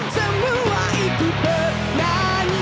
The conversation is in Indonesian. semua itu penyanyi